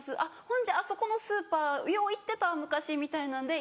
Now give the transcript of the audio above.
「ほんじゃああそこのスーパーよう行ってた昔」みたいなんで